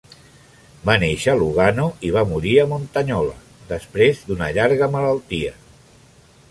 Va néixer a Lugano i va morir a Montagnola després d'una llarga malaltia.